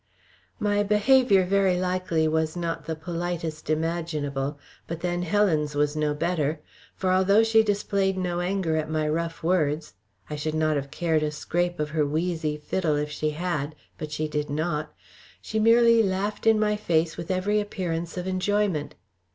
My behaviour very likely was not the politest imaginable, but then Helen's was no better. For although she displayed no anger at my rough words I should not have cared a scrape of her wheezy fiddle if she had, but she did not, she merely laughed in my face with every appearance of enjoyment.